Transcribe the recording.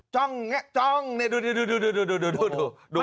จ้องจ้องเนี่ยดูดู